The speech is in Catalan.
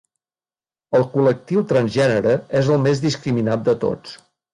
El col·lectiu transgènere és el més discriminat de tots.